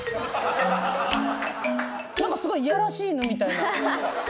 何かすごいいやらしい犬みたいな。